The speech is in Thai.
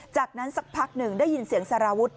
จากนั้นสักพักหนึ่งได้ยินเสียงสารวุฒิ